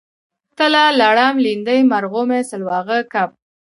تله لړم لیندۍ مرغومی سلواغه کب